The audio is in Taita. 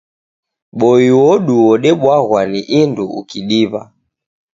Boi odu odebwaghwa ni indu ukidiwa